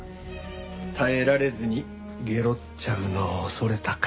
耐えられずにゲロっちゃうのを恐れたか。